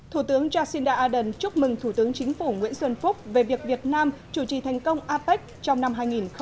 thủ tướng jacinda ardern chúc mừng thủ tướng chính phủ nguyễn xuân phúc về việc việt nam chủ trì thành công apec trong năm hai nghìn hai mươi